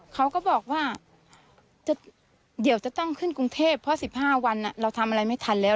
เขาก็บอกว่าเดี๋ยวจะต้องขึ้นกรุงเทพเพราะ๑๕วันเราทำอะไรไม่ทันแล้ว